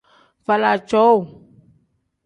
Faala cowuu.